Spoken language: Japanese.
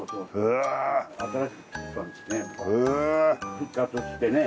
復活してね。